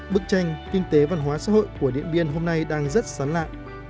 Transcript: bức tranh kinh tế văn hóa xã hội của điện biên hôm nay đang rất sáng lạng